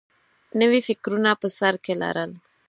نوي فکرونه په سر کې لرل